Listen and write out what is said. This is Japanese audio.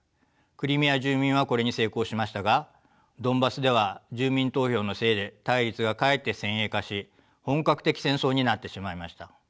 クリミア住民はこれに成功しましたがドンバスでは住民投票のせいで対立がかえって先鋭化し本格的戦争になってしまいました。